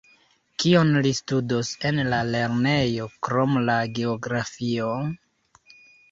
Kion li studos en la lernejo, krom la geografio?